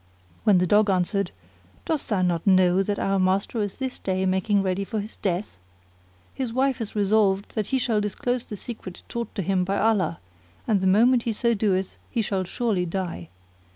when the Dog answered, "Dost thou not know that our master is this day making ready for his death? His wife is resolved that he shall disclose the secret taught to him by Allah, and the moment he so doeth he shall surely die.